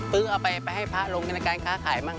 ปื้นเอาไปไปให้พระลงกินการค้าขายบ้าง